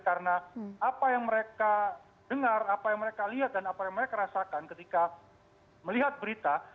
karena apa yang mereka dengar apa yang mereka lihat dan apa yang mereka rasakan ketika melihat berita